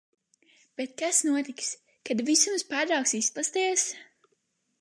Bet kas notiks, kad visums pārtrauks izplesties?